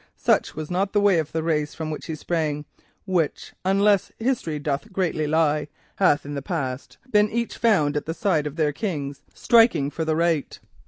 Such was not the way of the race from which he sprang, which, unless history doth greatly lie, hath in the past been ever found at the side of their kings striking for the right.